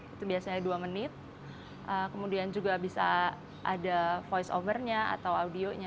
itu biasanya dua menit kemudian juga bisa ada voice over nya atau audionya